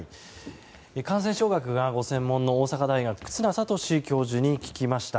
感染症学がご専門の大阪大学の忽那賢志教授に聞きました。